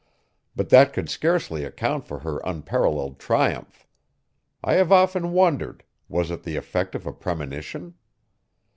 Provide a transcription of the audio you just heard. But that could scarcely account for her unparalleled triumph. I have often wondered was it the effect of a premonition?